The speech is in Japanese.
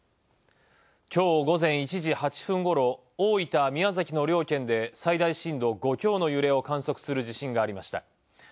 今日午前１時８分頃、大分・宮崎の両県で最大震度５強の揺れを観測する地震がありました。